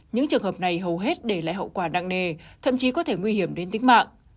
những trường hợp này hầu hết để lại hậu quả nặng nề thậm chí có thể nguy hiểm đến tính mạng